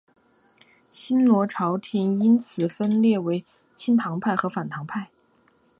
新罗朝延因此分裂为亲唐派和反唐派。